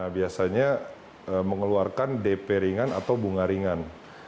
biasanya mengeluarkan dp ringan atau bunga ringan